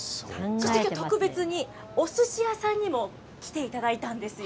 きょうは特別におすし屋さんにも来ていただいたんですよ。